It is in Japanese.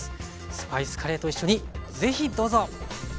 スパイスカレーと一緒にぜひどうぞ。